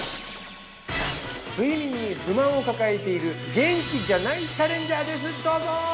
睡眠に不満を抱えているゲンキじゃないチャレンジャーですどうぞ！